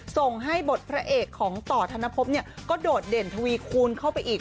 ส่งให้บทพระเอกของต่อธนภพก็โดดเด่นทวีคูณเข้าไปอีก